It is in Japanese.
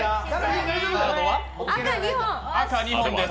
赤２本です。